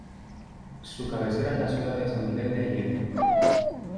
Su cabecera es la ciudad de San Miguel de Allende.